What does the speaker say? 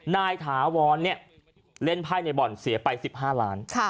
ถาวรเล่นไพ่ในบ่อนเสียไป๑๕ล้าน